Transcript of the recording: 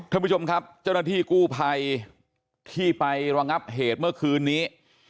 ท่านผู้ชมครับเจ้าหน้าที่กู้ภัยที่ไประงับเหตุเมื่อคืนนี้